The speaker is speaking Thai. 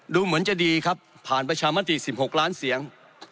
ดูเหมือนจะดีครับผ่านประชามติ๑๖ล้านเสียง